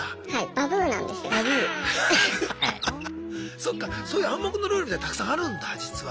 そっかそういう暗黙のルールみたいなのたくさんあるんだ実は。